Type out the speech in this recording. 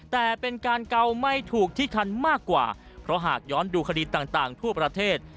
แต่เป็นการเกาไม่ถูกที่คันมากกว่าเพราะหากย้อนดูคดีต่างทั่วประเทศ